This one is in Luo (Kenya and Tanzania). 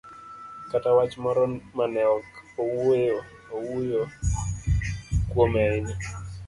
kata wach moro ma ne ok owuo kuome ahinya,